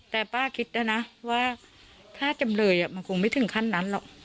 แต่ป้าคิดแล้วนะว่าถ้าจำเลยมันคงไม่ถึงขั้นนั้นหรอก